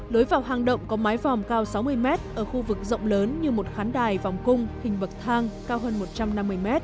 lối vào hang động có mái vòm cao sáu mươi m ở khu vực rộng lớn như một khán đài vòng cung hình bậc thang cao hơn một trăm năm mươi m